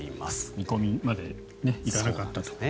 見込みまで行かなかったと。